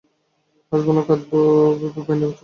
হাসব বা কাঁদব ভেবে পাই না ছোটবাবু।